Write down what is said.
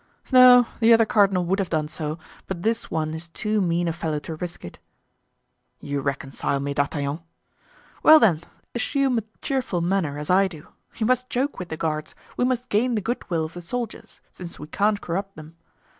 "No, the other cardinal would have done so, but this one is too mean a fellow to risk it." "You reconcile me, D'Artagnan." "Well, then, assume a cheerful manner, as I do; we must joke with the guards, we must gain the good will of the soldiers, since we can't corrupt them.